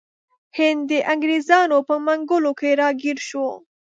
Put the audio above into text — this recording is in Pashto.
هند د انګریزانو په منګولو کې راګیر شو.